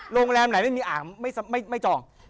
โรงแรมไหนไม่จอง